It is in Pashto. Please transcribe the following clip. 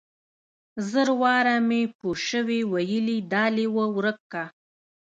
زر واره مې پوشوې ويلي دا ليوه ورک که.